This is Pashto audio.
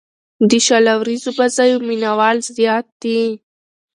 د شل اووريزو بازيو مینه وال زیات دي.